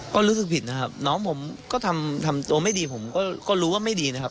ก็รู้สึกผิดนะครับน้องผมก็ทำตัวไม่ดีผมก็รู้ว่าไม่ดีนะครับ